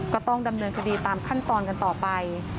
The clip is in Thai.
ก็ต้องดำเนินคดีตามขั้นตอนกันต่อไป